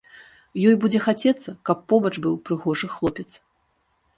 Ёй будзе хацецца, каб побач быў прыгожы хлопец.